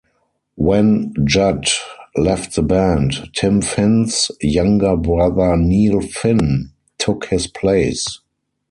When Judd left the band, Tim Finn's younger brother Neil Finn took his place.